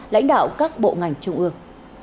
lãnh đạo các bộ ngành trung ương